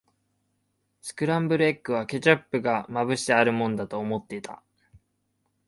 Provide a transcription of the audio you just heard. スクランブルエッグは、ケチャップがまぶしてあるもんだと思ってた。